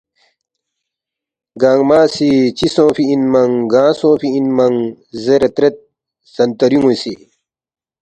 گنگمہ سی ”چِہ سونگفی اِنمنگ گانگ سونگفی انمنگ؟” زیرے ترید، سنتریُون٘ی سی